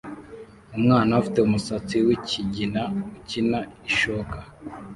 umwana ufite umusatsi wikigina ukina ishoka